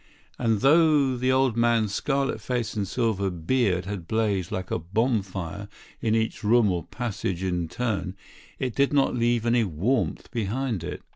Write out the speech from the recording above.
And though the old man's scarlet face and silver beard had blazed like a bonfire in each room or passage in turn, it did not leave any warmth behind it.